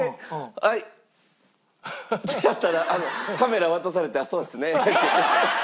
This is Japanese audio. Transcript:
「はい！」ってやったらカメラ渡されて「あっそうですね」って。ハハハハ！